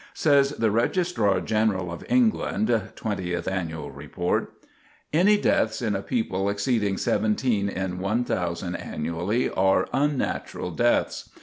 Says the Registrar General of England (Twentieth Annual Report): "Any deaths in a people exceeding 17 in 1,000 annually are unnatural deaths.